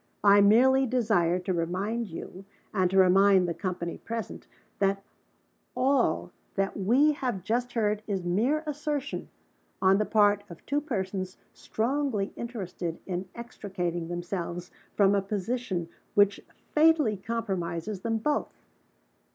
I merely desire to remind you, and to remind the company present, that all that we have just heard is mere assertion on the part of two persons strongly interested in extricating themselves from a position which fatally compromises them both.